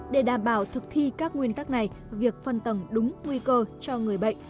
để đảm bảo thực thi các nguyên tắc này việc phân tầng đúng nguy cơ cho người bệnh